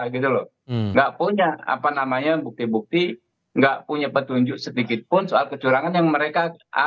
tidak punya bukti bukti nggak punya petunjuk sedikit pun soal kecurangan yang mereka